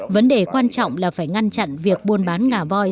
vấn đề quan trọng là phải ngăn chặn việc buôn bán ngà voi